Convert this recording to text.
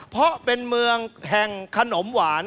เพราะเป็นเมืองแห่งขนมหวาน